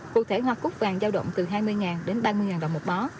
cụ thể hoa cút vàng giao động từ hai mươi đến ba mươi đồng một bó